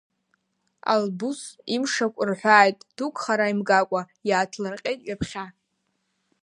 Албуз, имшақә рҳәааит дук хара имгакәа, иааҭлырҟьеит ҩаԥхьа.